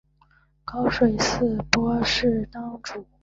高水寺斯波氏当主。